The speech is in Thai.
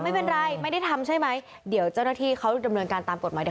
ไม่เป็นไรไม่ได้ทำใช่ไหมเดี๋ยวเจ้าหน้าที่เขาดำเนินการตามกฎหมาย